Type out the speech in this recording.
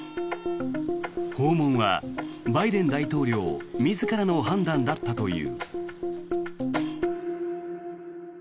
訪問はバイデン大統領自らの判断だったという。